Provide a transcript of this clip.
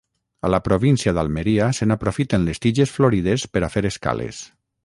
A la província d'Almeria se n'aprofiten les tiges florides per a fer escales.